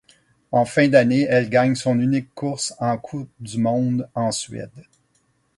En fin d'année, elle gagne son unique course en Coupe du monde en Suède.